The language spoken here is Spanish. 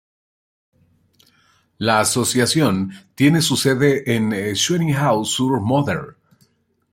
La asociación tiene su sede en Schweighouse-sur-Moder.